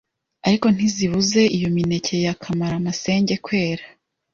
ariko ntizibuze iyo mineke ya kamaramasenge kwera